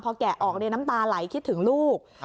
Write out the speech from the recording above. พอแกะออกน้ำตาไหลคิดถึงลูก